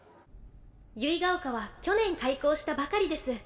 結ヶ丘は去年開校したばかりです。